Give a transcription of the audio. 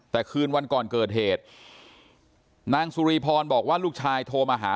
แต่คืนวันก่อนเกิดเหตุนางสุรีพรบอกว่าลูกชายโทรมาหา